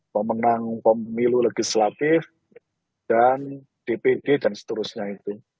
pemenang pemilu legislatif dan dpd dan seterusnya itu